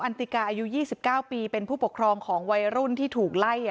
ติกาอายุ๒๙ปีเป็นผู้ปกครองของวัยรุ่นที่ถูกไล่